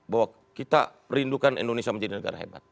bahwa kita rindukan indonesia menjadi negara hebat